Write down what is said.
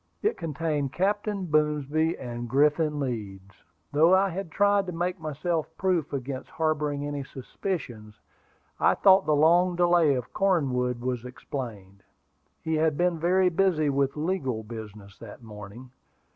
It contained Captain Boomsby and Griffin Leeds. Though I had tried to make myself proof against harboring any suspicions, I thought the long delay of Cornwood was explained. He had been very busy with legal business that morning.